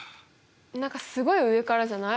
何かすごい上からじゃない？